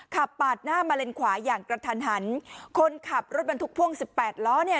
ขับปาดหน้ามาเลนขวาอย่างกระทันหันคนขับรถบรรทุกพ่วงสิบแปดล้อเนี่ย